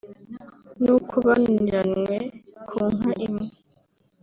n’uko bananiranywe ku nka imwe